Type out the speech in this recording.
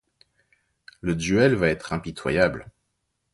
Le duel va être impitoyable...